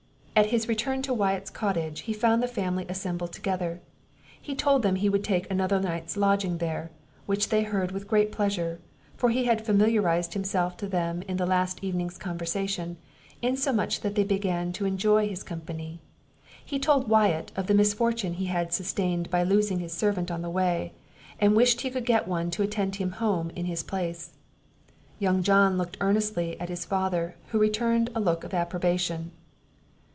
At his return to Wyatt's cottage, he found the family assembled together. He told them he would take another night's lodging there, which they heard with great pleasure; for he had familiarised himself to them in the last evening's conversation, insomuch that they began to enjoy his company. He told Wyatt of the misfortune he had sustained by losing his servant on the way, and wished he could get one to attend him home in his place. Young John looked earnestly at his father, who returned a look of approbation.